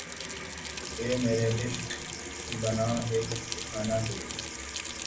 اے مرے عشق بنا ایک ٹھکانہ کوئی